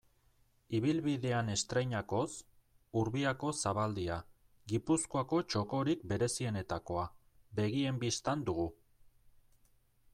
Ibilbidean estreinakoz, Urbiako zabaldia, Gipuzkoako txokorik berezienetakoa, begien bistan dugu.